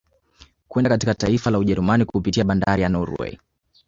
Kwenda katika taifa la Ujerumani kupitia bandari za Norway